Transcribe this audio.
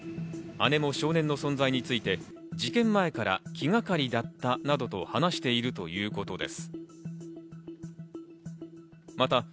姉も少年の存在について事件前から気がかりだったなどと話しているということです。